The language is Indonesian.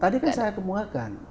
tadi kan saya kemulakan